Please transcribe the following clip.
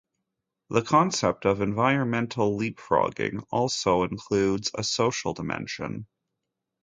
The concept of environmental leapfrogging also includes a social dimension.